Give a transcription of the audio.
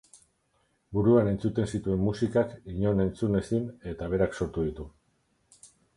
Buruan entzuten zituen musikak inon entzun ezin eta berak sortu ditu.